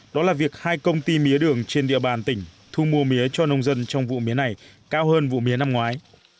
đó là việc hai công ty mía đường trên địa bàn tỉnh thu mua mía cho nông dân trong vụ mía này cao hơn vụ mía năm ngoái